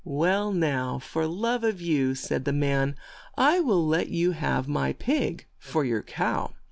'Well now, for love of you," said the man, "I will let you have my pig for your cow."